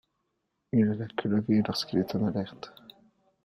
Il a la queue levée lorsqu'il est en alerte.